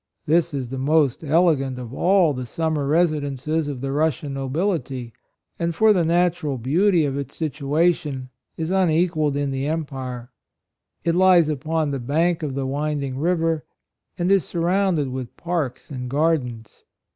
This is the most elegant of all the summer resi dences of the Russian nobility, and for the natural beauty of its situ ation, is unequalled in the empire. It lies upon the bank of the winding river, and is surrounded with parks and gardens.